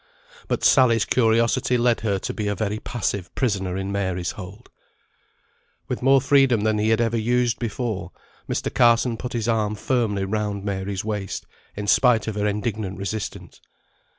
But Sally's curiosity led her to be a very passive prisoner in Mary's hold. With more freedom than he had ever used before, Mr. Carson put his arm firmly round Mary's waist, in spite of her indignant resistance.